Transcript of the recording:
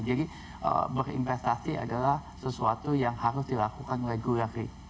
jadi berinvestasi adalah sesuatu yang harus dilakukan reguler